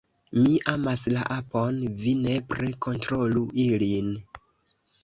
Mi amas la apon, vi nepre kontrolu ilin